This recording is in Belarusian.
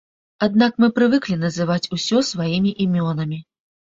Аднак мы прывыклі называць усё сваімі імёнамі!